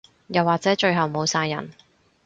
又或者最後冇晒人